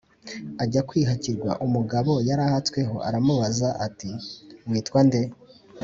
ajya kwihakirwa. umugabo yari ahatsweho aramubaza ati: "witwa nde?